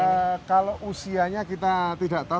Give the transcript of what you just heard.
jadi kalau usianya kita tidak tahu